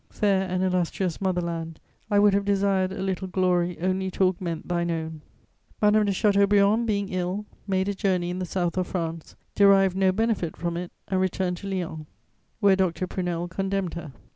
Fair and illustrious mother land, I would have desired a little glory only to augment thine own." Madame de Chateaubriand, being ill, made a journey in the South of France, derived no benefit from it, and returned to Lyons, where Dr. Prunelle condemned her.